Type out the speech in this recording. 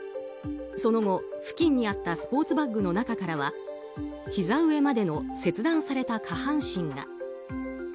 その後、付近にあったスポーツバッグの中からはひざ上までの切断された下半身が。